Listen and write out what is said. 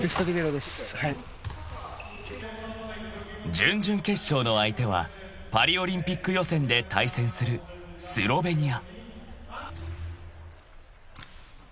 ［準々決勝の相手はパリオリンピック予選で対戦するスロベニア］